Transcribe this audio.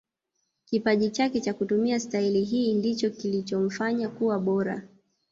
kipaji chake cha kutumia stahili hii ndicho kilichomfanya kuwa bora